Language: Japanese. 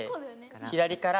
左から。